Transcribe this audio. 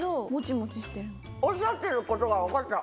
おっしゃってることが分かった。